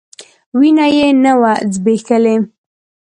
وينه يې نه وه ځبېښلې.